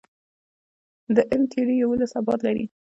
د M-تیوري یوولس ابعاد لري.